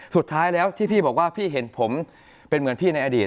สุดท้ายแล้วที่พี่บอกว่าพี่เห็นผมเป็นเหมือนพี่ในอดีต